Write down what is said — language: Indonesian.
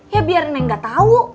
ya biar neng nggak tahu